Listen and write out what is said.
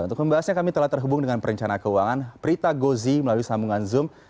untuk membahasnya kami telah terhubung dengan perencana keuangan prita gozi melalui sambungan zoom